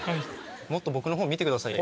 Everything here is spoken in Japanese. もっと僕のほう見てくださいよ。